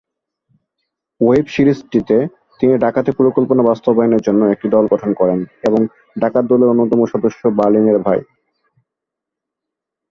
Web সিরিজটিতে তিনি ডাকাতি পরিকল্পনা বাস্তবায়নের জন্য একটি দল গঠন করেন এবং ডাকাত দলের অন্যতম সদস্য বার্লিনের ভাই।